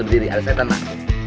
lu berdiri ada setan emak